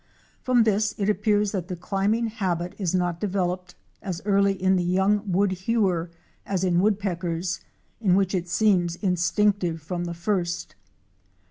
From this it appears that the climbing habit is not developed as early in the young Woodhewer as in Woodpeckers, in which it seems instinctive from the first.